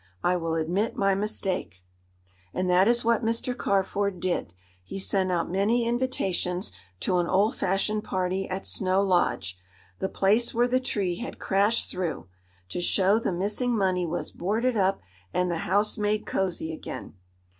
I will admit my mistake." And that is what Mr. Carford did. He sent out many invitations to an old fashioned party at Snow Lodge. The place where the tree had crashed through, to show the missing money, was boarded up, and the house made cozy again.